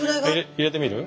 入れてみる？